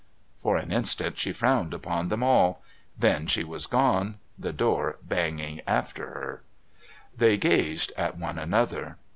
For an instant she frowned upon them all then she was gone, the door banging after her. They gazed at one another.